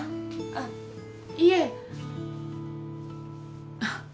あっいえあっ